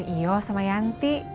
iya sama yanti